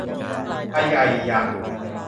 อะไยหย่ะ